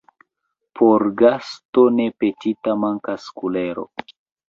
Por gasto ne petita mankas kulero.